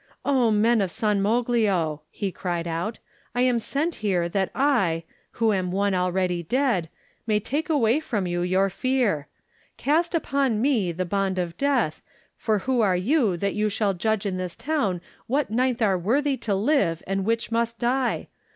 "O men of San Moglio," he cried out, "I am sent here that I, who am one already dead, may take away from you your fear. Cast upon me the bond of death, for who are you that you shall judge in this town what ninth are worthy to live and which must die?